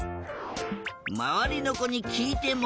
まわりのこにきいても。